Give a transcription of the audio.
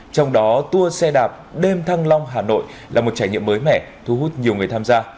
trong đó tour xe đạp đêm thăng long hà nội là một trải nghiệm mới mẻ thu hút nhiều người tham gia